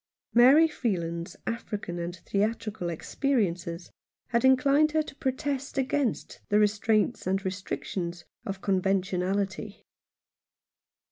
Mary Freeland's African and theatrical ex periences had inclined her to protest against the restraints and restrictions of conventionality.